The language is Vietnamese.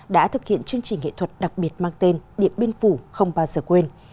đã thực hiện chương trình nghệ thuật đặc biệt mang tên điện biên phủ không bao giờ quên